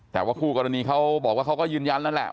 แต่ว่าคู่กรณีเขาบอกว่าเขาก็ยืนยันแล้วแหละ